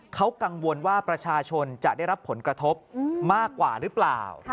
เขากังวลว่าประชาชนจะได้รับผลกระทบมากกว่าหรือเปล่า